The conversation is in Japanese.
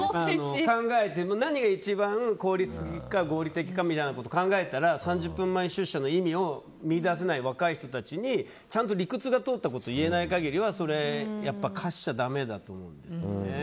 何が一番効率的か合理的かみたいなことを考えたら３０分前出社の意味を見いだせない若い人たちにちゃんと理屈が通ったことを言えない限りはそれは課しちゃだめだと思います。